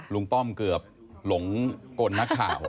ป้อมเกือบหลงกลนักข่าว